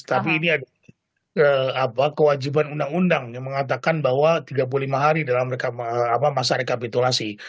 tapi ini ada kewajiban undang undang yang mengatakan bahwa tiga puluh lima hari dalam masa rekapitulasi